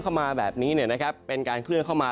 เข้ามาแบบนี้เนี่ยนะครับเป็นการเคลื่อนเข้ามา